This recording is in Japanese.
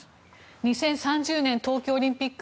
２０３０年東京オリンピック。